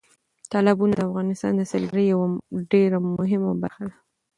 تالابونه د افغانستان د سیلګرۍ یوه ډېره مهمه برخه ده.